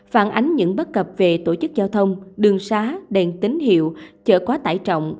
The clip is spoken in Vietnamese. phản ánh những bất cập về tổ chức giao thông đường xá đèn tín hiệu chở quá tải trọng